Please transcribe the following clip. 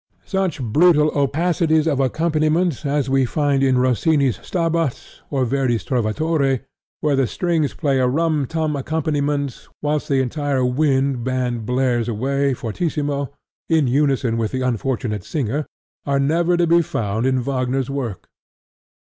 Such brutal opacities of accompaniment as we find in Rossini's Stabat or Verdi's Trovatore, where the strings play a rum tum accompaniment whilst the entire wind band blares away, fortissimo, in unison with the unfortunate singer, are never to be found in Wagner's work.